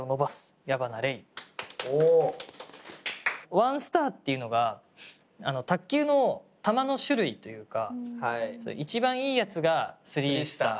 「ワンスター」っていうのが卓球の球の種類というか一番いいやつがスリースター。